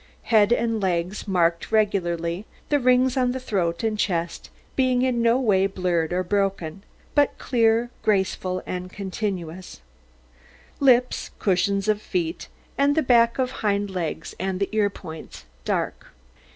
Head and legs marked regularly, the rings on the throat and chest being in no way blurred or broken, but clear, graceful, and continuous; lips, cushions of feet, and the back of hind legs, and the ear points, dark.